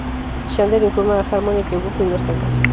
Xander informa a Harmony que Buffy no está en casa.